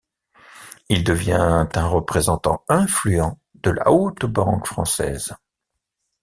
Il devient un représentant influent de la haute banque française.